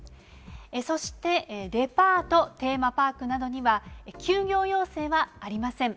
そして、デパート、テーマパークなどには、休業要請はありません。